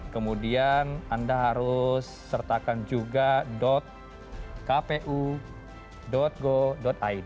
kemudian anda harus sertakan juga kpu go id